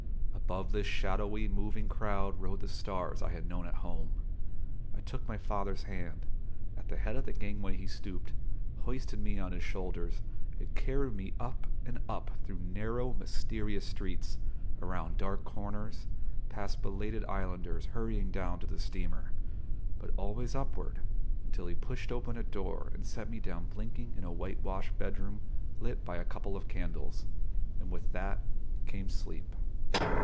Above this shadowy moving crowd rode the stars I had known at home. I took my father's hand. At the head of the gangway he stooped, hoisted me on his shoulders, and carried me up and up through narrow mysterious streets, around dark corners, past belated islanders hurrying down to the steamer; but always upward, until he pushed open a door and set me down blinking in a whitewashed bedroom lit by a couple of candles: and with that came sleep.